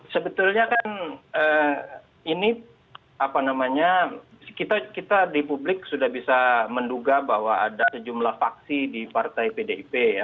sebetulnya kan ini apa namanya kita di publik sudah bisa menduga bahwa ada sejumlah faksi di partai pdip ya